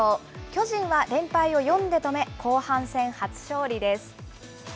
巨人は連敗を４で止め、後半戦初勝利です。